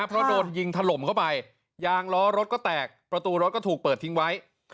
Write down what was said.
เพราะโดนยิงถล่มเข้าไปยางล้อรถก็แตกประตูรถก็ถูกเปิดทิ้งไว้